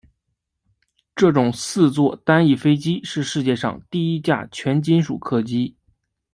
这种四座单翼飞机是世界上第一架全金属客机。